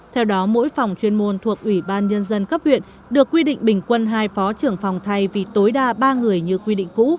theo đó mỗi phòng chuyên môn thuộc ủy ban nhân dân cấp huyện được quy định bình quân hai phó trưởng phòng thay vì tối đa ba người như quy định cũ